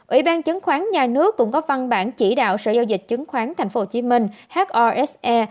ủy ban chứng khoán nhà nước cũng có văn bản chỉ đạo sở giao dịch chứng khoán tp hcm hose